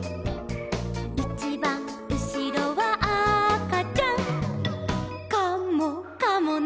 「いちばんうしろはあかちゃん」「カモかもね」